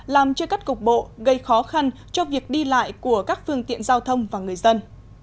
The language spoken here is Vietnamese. làm chưa cắt cục bộ gây khó khăn cho việc đi lại của các phương tiện giao thông và người dân